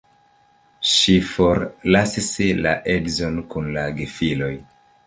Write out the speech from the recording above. Ŝi forlasis la edzon kun la gefiloj.